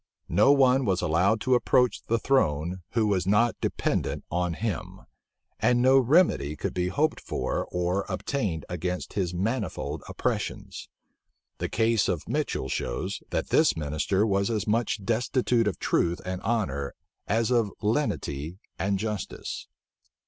No one was allowed to approach the throne who was not dependent on him; and no remedy could be hoped for or obtained against his manifold oppressions. The case of Mitchel shows, that this minister was as much destitute of truth and honor as of lenity and justice.